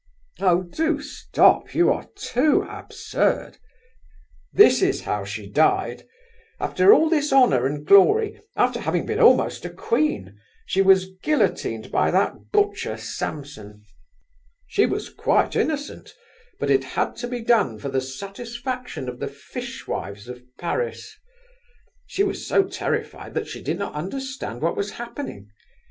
"Oh! do stop—you are too absurd!" "This is how she died. After all this honour and glory, after having been almost a Queen, she was guillotined by that butcher, Samson. She was quite innocent, but it had to be done, for the satisfaction of the fishwives of Paris. She was so terrified, that she did not understand what was happening.